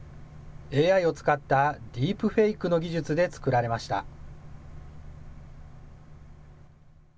ＡＩを使った、ディープフェイクの技術で作られました。